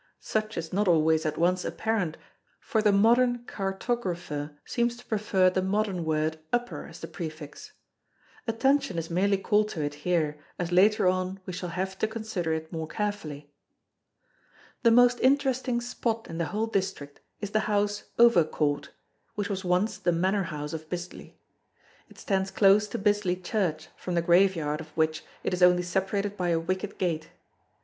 Such is not always at once apparent for the modern cartographer seems to prefer the modern word "upper" as the prefix. Attention is merely called to it here as later on we shall have to consider it more carefully. The most interesting spot in the whole district is the house "Overcourt," which was once the manor house of Bisley. It stands close to Bisley church from the grave yard of which it is only separated by a wicket gate.